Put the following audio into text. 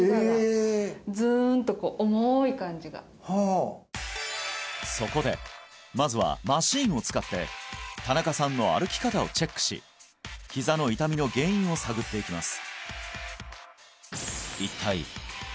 はいそこでまずはマシンを使って田中さんの歩き方をチェックしひざの痛みの原因を探っていきます